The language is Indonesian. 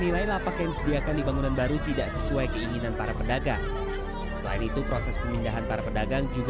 lapa kan digantungnya di sini pak